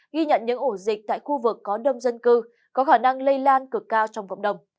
ghi nhận những ổ dịch tại khu vực có đông dân cư có khả năng lây lan cực cao trong cộng đồng